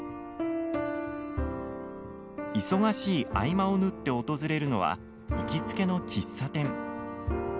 忙しい合間をぬって訪れるのは行きつけの喫茶店。